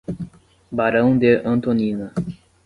Barão de Antonina